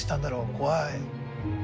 怖い。